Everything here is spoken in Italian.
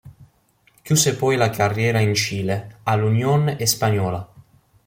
Chiuse poi la carriera in Cile, all'Unión Española.